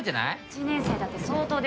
１年生だって相当ですよ